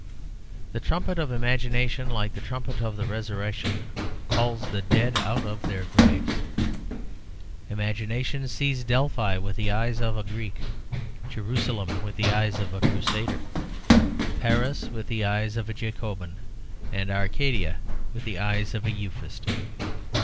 The trumpet of imagination, like the trumpet of the Resurrection, calls the dead out of their graves. Imagination sees Delphi with the eyes of a Greek, Jerusalem with the eyes of a Crusader, Paris with the eyes of a Jacobin, and Arcadia with the eyes of a Euphuist.